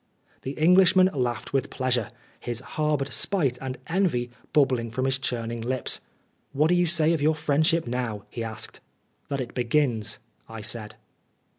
The Englishman laughed with pleasure, his harboured spite and envy bubbling from his churning lips. "What do you say of your friendship now?" he asked. " That it begins," I said.